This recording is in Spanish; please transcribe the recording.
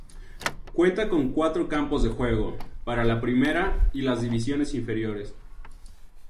Cuenta con cuatro campos de juego, para la primera y las divisiones inferiores.